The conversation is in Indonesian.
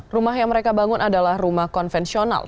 rumah yang mereka bangun adalah rumah konvensional